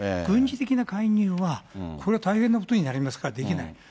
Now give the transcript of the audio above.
軍事的な介入はこれは大変なことになりますから、できない。